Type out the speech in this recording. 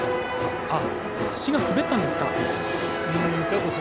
足が滑ったんですか。